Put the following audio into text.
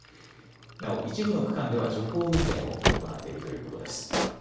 なお一部の区間では徐行運転を行っているということです。